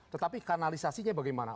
tetapi kanalisasinya bagaimana